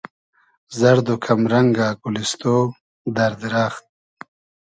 زئرد و کئم رئنگۂ گولیستۉ , دئر دیرئخت